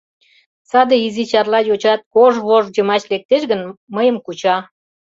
— Саде изи Чарла йочат кож вож йымач лектеш гын, мыйым куча.